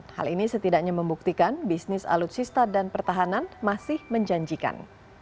hal ini setidaknya membuktikan bisnis alutsista dan pertahanan masih menjanjikan